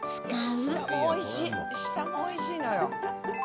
下もおいしい下もおいしいのよ。